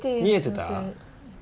見えてた？